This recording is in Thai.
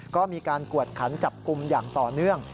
ก็มีการกวดขันจับกลุ่มอย่างต่อเนื่อง